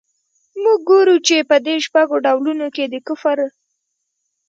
موږ ګورو چي په دې شپږو ډولونو کي د کفر.